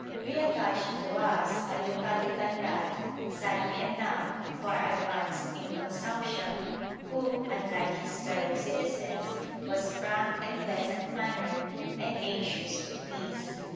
We attached to us a Yucatecan lad, sadly enough far advanced in consumption, who, unlike his fellow citizens, was frank and pleasant mannered and anxious to please.